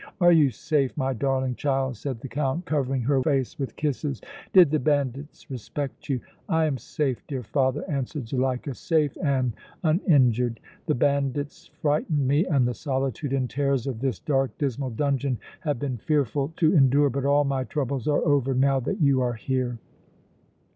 "Are you safe, my darling child?" said the Count, covering her face with kisses. "Did the bandits respect you?" "I am safe, dear father," answered Zuleika, "safe and uninjured. The bandits frightened me and the solitude and terrors of this dark, dismal dungeon have been fearful to endure. But all my troubles are over now that you are here!"